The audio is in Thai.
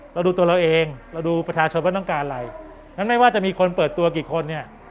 เราดูตัวเราเองเราดูประชาชนว่าต้องการอะไรงั้นไม่ว่าจะมีคนเปิดตัวกี่คนเนี่ย